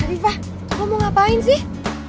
arifah lo mau ngapain sih